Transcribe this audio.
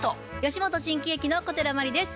吉本新喜劇の小寺真理です。